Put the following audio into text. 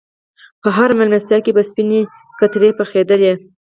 په هره میلمستیا کې به سپینې کترې پخېدلې.